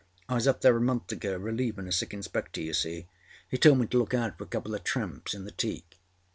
I was up there a month ago relievinâ a sick inspector, you see. He told me to look out for a couple of tramps in the teak.